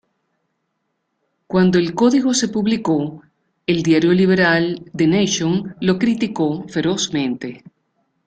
Cuando el código se publicó, el diario liberal "The Nation" lo criticó ferozmente.